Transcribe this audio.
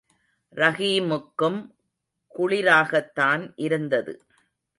ரஹீமுக்கும் குளிராகத்தான் இருந்தது.